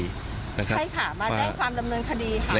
ใช่ค่ะมาแจ้งความดำเนินคดีค่ะ